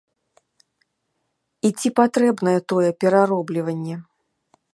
І ці патрэбнае тое пераробліванне?